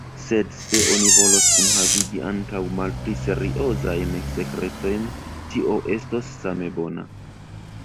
Sed se oni volos kunhavigi ankaŭ malpli seriozajn sekretojn, tio estos same bona.